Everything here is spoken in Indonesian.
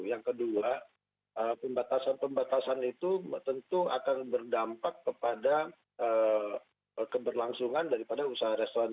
yang kedua pembatasan pembatasan itu tentu akan berdampak kepada keberlangsungan daripada usaha restoran